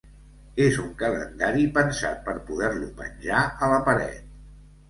És un calendari pensat per poder-lo penjar a la paret.